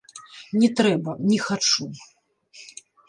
Не трэба, не хачу.